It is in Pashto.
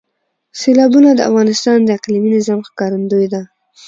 سیلابونه د افغانستان د اقلیمي نظام ښکارندوی ده.